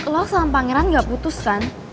lo sama pangeran gak putus kan